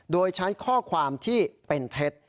โดยใช้ข้อความที่เป็นเท็จ